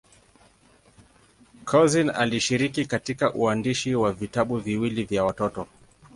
Couzyn alishiriki katika uandishi wa vitabu viwili vya watoto.